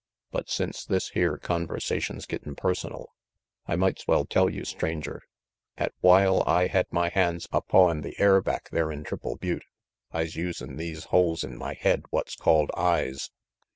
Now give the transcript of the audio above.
But since this here conversation's gettin' personal, I might's well tell you, Stranger, 'at while I had my hands a pawin' the air back there in Triple Butte, I's usin' these holes in my head what's called eyes.